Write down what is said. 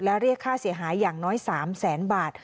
และเรียกค่าเสียหายอย่างน้อย๓แสนบาท